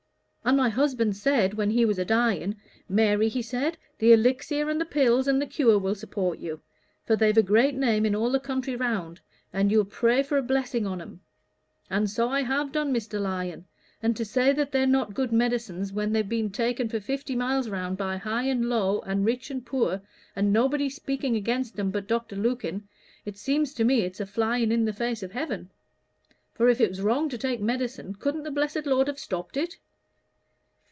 And my husband said, when he was a dying 'Mary,' he said, 'the Elixir, and the Pills, and the Cure will support you, for they've a great name in all the country round, and you'll pray for a blessing on them.' And so I've done, Mr. Lyon; and to say they're not good medicines, when they've been taken for fifty miles round by high and low, rich and poor, and nobody speaking against 'em but Dr. Lukin, it seems to me it's a flying in the face of Heaven; for if it was wrong to take the medicines, couldn't the blessed Lord have stopped it?"